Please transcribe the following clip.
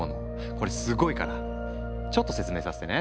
これすごいからちょっと説明させてね。